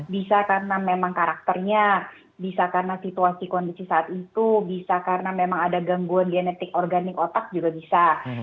bisa karena memang karakternya bisa karena situasi kondisi saat itu bisa karena memang ada gangguan genetik organik otak juga bisa